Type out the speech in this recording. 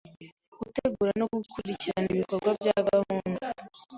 Gutegura no gukurikirana ibikorwa bya gahunda